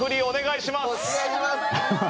お願いします。